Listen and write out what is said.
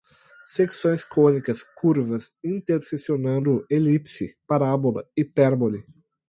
secções cônicas, curvas, interseccionando, elipse, parábola, hipérbole